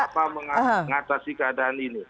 apa mengatasi keadaan ini